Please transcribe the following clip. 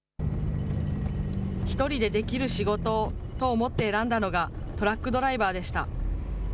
１人でできる仕事をと思って選んだのが、トラックドライバーでした。